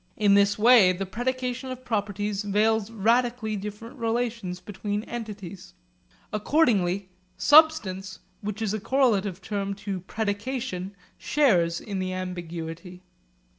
In this way the predication of properties veils radically different relations between entities. Accordingly 'substance,' which is a correlative term to 'predication,' shares in the ambiguity.